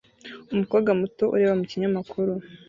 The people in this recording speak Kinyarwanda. Umukobwa muto ureba mu kinyamakuru